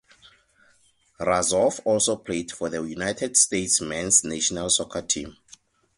Razov also played for the United States men's national soccer team.